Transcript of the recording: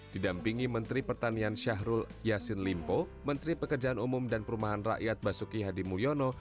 didampingi menteri pertanian syahrul yassin limpo menteri pekerjaan umum dan perumahan rakyat basuki hadi mulyono